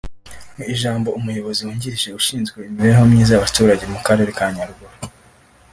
Mu ijambo umuyobozi wungirije ushinzwe imibereho myiza y’abaturage mu karere ka Nyaruguru